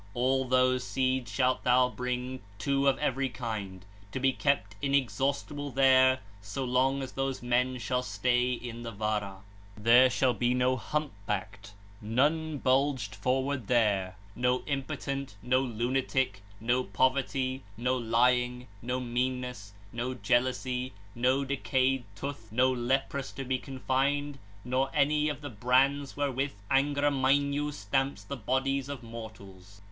All those seeds shalt thou bring, two of ever), kind, to be kept inexhaustible there, so long as those men shall stay in the Vara. 29 (80). There shall be no humpbacked, none bulged forward there; no impotent, no lunatic; no poverty, no lying; no meanness, no jealousy; no p. 18 decayed tooth, no leprous to be confined 1, nor any of the brands wherewith Angra Mainyu stamps the bodies of mortals.